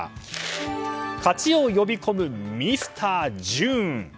勝ちを呼び込むミスタージューン。